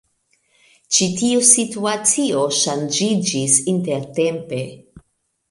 Ĉi tiu situacio ŝanĝiĝis intertempe.